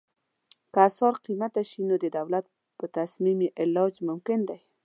که اسعار قیمته شي نو د دولت په تصمیم یې علاج ممکن دی.